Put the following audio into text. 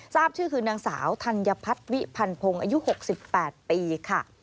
ทราบชื่อคือนางสาวธัญพัฒน์วิพันพงศ์อายุ๖๘ปีค่ะ